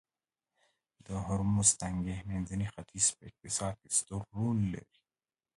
د هرمرز تنګی منځني ختیځ په اقتصاد کې ستر رول لري